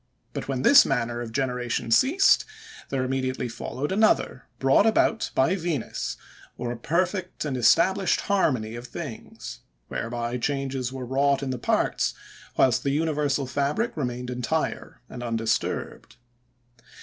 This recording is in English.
But when this manner of generation ceased, there immediately followed another, brought about by Venus, or a perfect and established harmony of things; whereby changes were wrought in the parts, whilst the universal fabric remained entire and undisturbed.